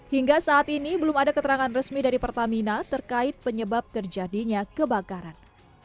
hingga saat ini belum ada keterangan resmi dari pertamina terkait penyebab terjadinya kebakaran